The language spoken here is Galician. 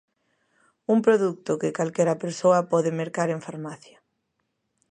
Un produto que calquera persoa pode mercar en farmacia.